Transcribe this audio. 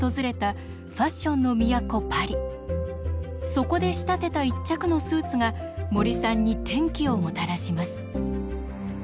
そこで仕立てた一着のスーツが森さんに転機をもたらします。